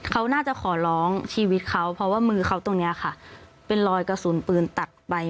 เขาน่าจะขอร้องชีวิตเขาเพราะว่ามือเขาตรงนี้ค่ะเป็นรอยกระสุนปืนตักไป